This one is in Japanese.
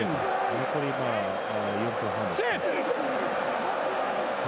残り４分半ですかね。